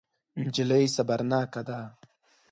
نجلۍ صبرناکه ده.